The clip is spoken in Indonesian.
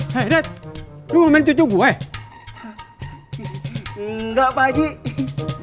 hei det lu main cucu gue enggak pagi dan ngiru